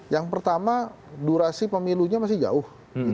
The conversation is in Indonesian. yang pertama durasi pemilunya masih jauh